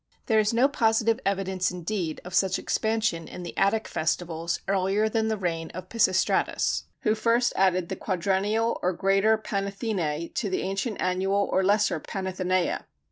There is no positive evidence indeed of such expansion in the Attic festivals earlier than the reign of Pisistratus, who first added the quadrennial or greater Panathenæ to the ancient annual or lesser Panathenæa.